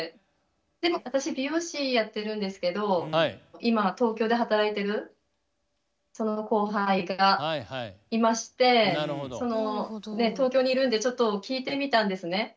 でも私美容師やってるんですけど今東京で働いてるその後輩がいまして東京にいるんでちょっと聞いてみたんですね。